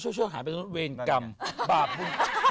โอ้โหช่วยหาเป็นเรื่องเวรกรรมบาปบุญคุณโทษ